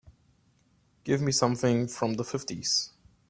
give me something from the fifties